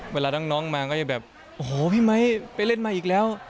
เวลาน้องมาก็จะแบบโอ้โหพี่ไมค์ไปเล่นใหม่อีกแล้ว